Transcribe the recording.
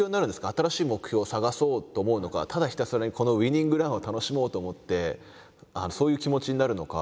新しい目標を探そうと思うのかただひたすらにこのウイニングランを楽しもうと思ってそういう気持ちになるのか。